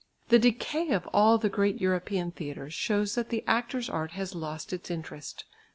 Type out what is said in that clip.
The decay of all the great European theatres shows that the actor's art has lost its interest.